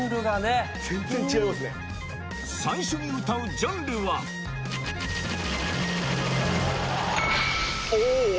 最初に歌うジャンルはお。